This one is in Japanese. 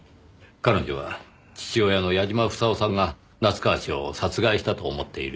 彼女は父親の矢嶋房夫さんが夏河氏を殺害したと思っているようです。